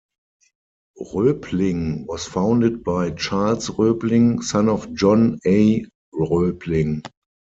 Roebling was founded by Charles Roebling, son of John A. Roebling.